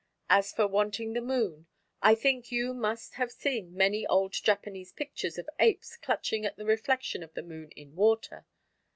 As for wanting the Moon I think that you must have seen many old Japanese pictures of apes clutching at the reflection of the Moon in water.